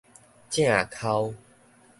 正剾